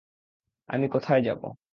আমি কোথায় যাবো?